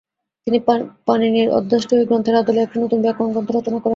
তিনি পাণিনির অষ্টাধ্যায়ী গ্রন্থের আদলে একটি নতুন ব্যাকরণ গ্রন্থ রচনা করেন।